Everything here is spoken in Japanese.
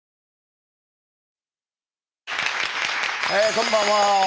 こんばんは。